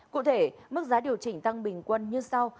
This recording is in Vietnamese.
cụ thể mức giá điều chỉnh tăng bình quân như sau